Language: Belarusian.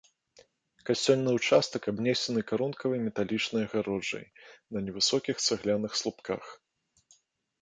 Касцёльны ўчастак абнесены карункавай металічнай агароджай на невысокіх цагляных слупках.